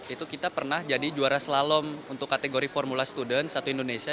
itu kita pernah jadi juara slalom untuk kategori formula student satu indonesia